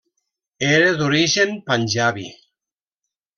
Era d'origen panjabi.